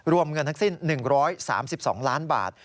รวมเงินทั้งสิ้น๑๓๒ล้านบาท